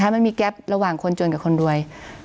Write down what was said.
มันมีแก๊ประหว่างคนจนกับคนรวย